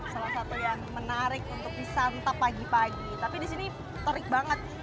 salah satu yang menarik untuk disantap pagi pagi tapi di sini terik banget